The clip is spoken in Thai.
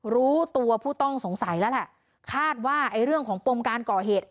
รู้ตัวผู้ต้องสงสัยแล้วแหละคาดว่าไอ้เรื่องของปมการก่อเหตุ